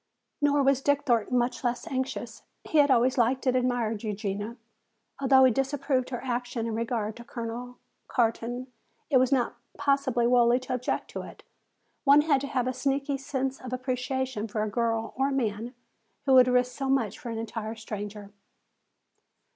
Nor was Dick Thornton much less anxious. He had always liked and admired Eugenia. Although he disapproved her action in regard to Colonel Carton, it was not possible wholly to object to it. One had to have a sneaking sense of appreciation for a girl or man who would risk so much for an entire stranger.